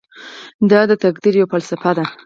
دا د تقدیر یوه فلسفه ده.